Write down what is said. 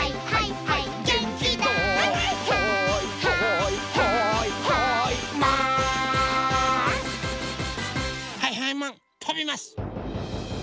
はいはいマンとびます！